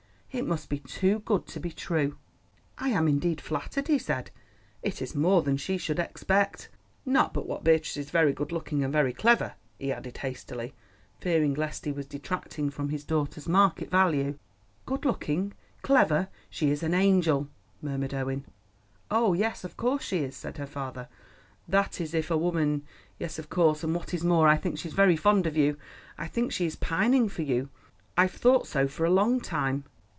It must be too good to be true! "I am indeed flattered," he said. "It is more than she could expect—not but what Beatrice is very good looking and very clever," he added hastily, fearing lest he was detracting from his daughter's market value. "Good looking—clever; she is an angel," murmured Owen. "Oh, yes, of course she is," said her father, "that is, if a woman—yes, of course—and what is more, I think she's very fond of you. I think she is pining for you. I've thought so for a long time."